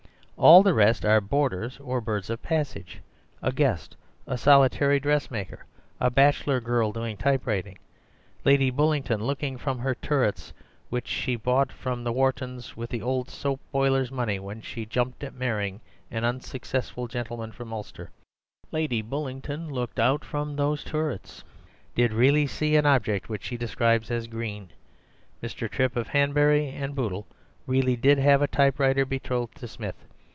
All the rest are boarders or birds of passage—a guest, a solitary dressmaker, a bachelor girl doing typewriting. Lady Bullingdon, looking from her turrets, which she bought from the Whartons with the old soap boiler's money when she jumped at marrying an unsuccessful gentleman from Ulster—Lady Bullingdon, looking out from those turrets, did really see an object which she describes as Green. Mr. Trip, of Hanbury and Bootle, really did have a typewriter betrothed to Smith.